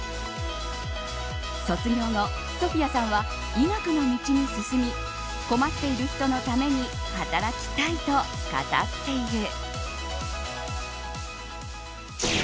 卒業後ソフィアさんは医学の道に進み困っている人のために働きたいと語っている。